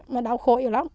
mà đau khổ nhiều lắm